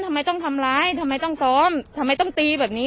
ทำไมต้องทำร้ายทำไมต้องซ้อมทำไมต้องตีแบบนี้